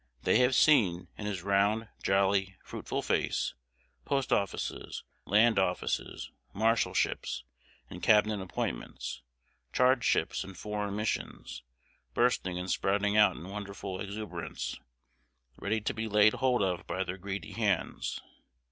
They have seen, in his round, jolly, fruitful face, post offices, land offices, marshalships, and cabinet appointments, chargéships and foreign missions, bursting and sprouting out in wonderful exuberance, ready to be laid hold of by their greedy hands.